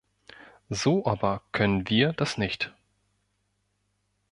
So aber können wir das nicht.